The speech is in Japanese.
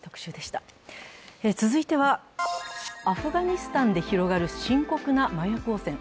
続いては、アフガニスタンで広がる深刻な麻薬汚染。